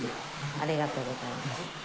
ありがとうございます。